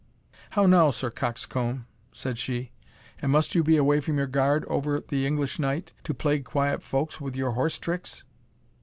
"How now, Sir Coxcomb!" said she, "and must you be away from your guard over the English knight, to plague quiet folks with your horse tricks!"